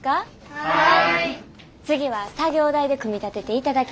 はい！